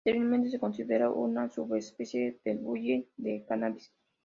Anteriormente se consideraba una subespecie del bulbul de Cabanis.